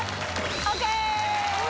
ＯＫ！